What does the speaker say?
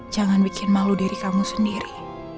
jangan bikin malu diri kamu sendiri